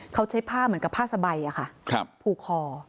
เขาใช้ผ้าเหมือนกับผ้าสบายผูกคอ